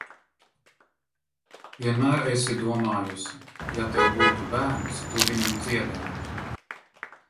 Vienmēr esi domājusi, ja tev būtu bērns, tu viņam dziedātu.